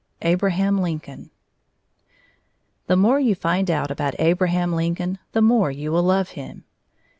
ABRAHAM LINCOLN The more you find out about Abraham Lincoln, the more you will love him.